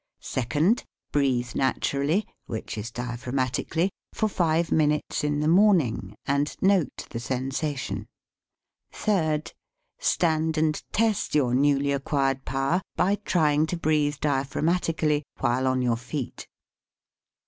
Second. Breathe naturally, which is dia phragmatically, for five minutes in the morn ing, and note the sensation. Third. Stand and test your newly ac quired power by trying to breathe diaphrag matically while on your feet.